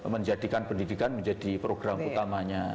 menjadikan pendidikan menjadi program utamanya